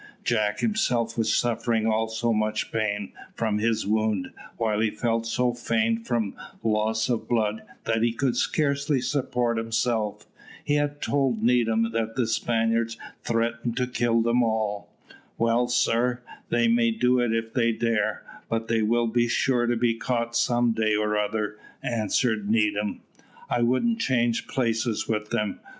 Jack himself was suffering also much pain from his wound, while he felt so faint from loss of blood that he could scarcely support himself. He had told Needham that the Spaniards threatened to kill them all. "Well, sir, they may do it if they dare, but they will be sure to be caught some day or other," answered Needham. "I wouldn't change places with them.